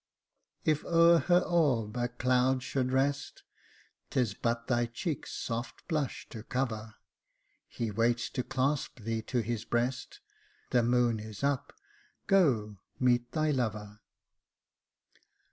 " If o'er her orb a cloud should rest, "Tis but thy cheek's soft blush to cover. He waits to clasp thee to his breast ; The moon is up — go, meet thy lover.